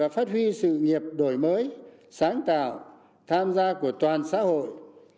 phát huy sự nghiệp đổi mới sáng tạo tham gia của toàn xã hội